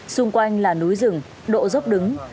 xung quanh là núi rừng độ dốc đứng